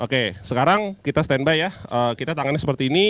oke sekarang kita standby ya kita tangannya seperti ini